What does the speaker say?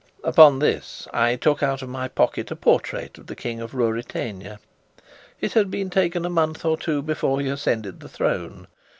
Upon this, I took out of my pocket a portrait of the King of Ruritania. It had been taken a month or two before he ascended the throne.